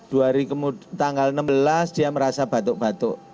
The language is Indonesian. dua hari tanggal enam belas dia merasa batuk batuk